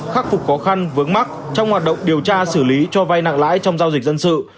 khắc phục khó khăn vướng mắt trong hoạt động điều tra xử lý cho vay nặng lãi trong giao dịch dân sự